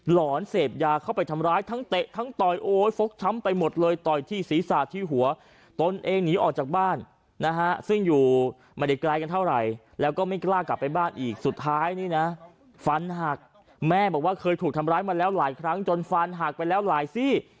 หอนเสพยาเข้าไปทำร้ายทั้งเตะทั้งต่อยโอ๊ยฟกช้ำไปหมดเลยต่อยที่ศีรษะที่หัวตนเองหนีออกจากบ้านนะฮะซึ่งอยู่ไม่ได้ไกลกันเท่าไหร่แล้วก็ไม่กล้ากลับไปบ้านอีกสุดท้ายนี่นะฟันหักแม่บอกว่าเคยถูกทำร้ายมาแล้วหลายครั้งจนฟันหักไปแล้วหลายซี่